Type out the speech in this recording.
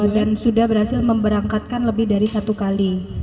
dan sudah berhasil memberangkatkan lebih dari satu kali